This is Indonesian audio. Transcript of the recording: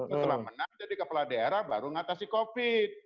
setelah menang jadi kepala daerah baru ngatasi covid